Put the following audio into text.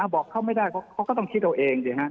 บอกเขาไม่ได้เขาก็ต้องคิดเอาเองสิฮะ